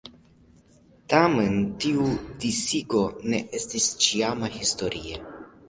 Tamen tiu disigo ne estis ĉiama historie.